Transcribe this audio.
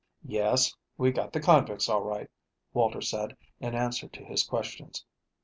"Yes, we got the convicts, all right," Walter said, in answer to his questions.